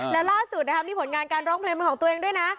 และล่าสุดนะคะมีผลงานการร้องเพลงเป็นของตัวเองด้วยนะ